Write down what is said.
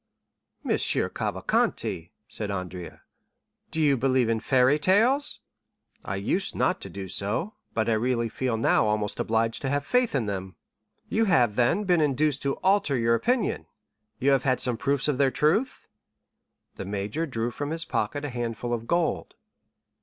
"Monsieur Cavalcanti," said Andrea, "do you believe in fairy tales?" "I used not to do so, but I really feel now almost obliged to have faith in them." "You have, then, been induced to alter your opinion; you have had some proofs of their truth?" The major drew from his pocket a handful of gold.